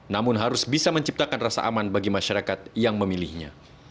namun harus bisa menciptakan rasa aman bagi masyarakat yang memilihnya